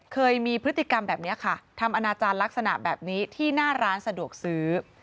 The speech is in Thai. เคยมีพฤติกรรมแบบนี้ค่ะทำอนาจารย์ลักษณะแบบนี้ที่หน้าร้านสะดวกซื้อ